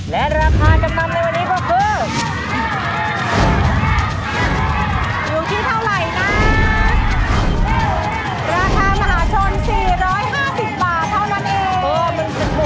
และราคาจำนำในวันนี้ก็คือ